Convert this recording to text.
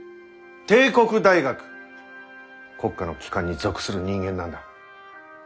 帝国大学国家の機関に属する人間なんだ。